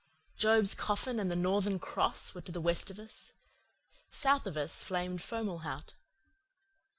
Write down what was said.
Job's Coffin and the Northern Cross were to the west of us; south of us flamed Fomalhaut.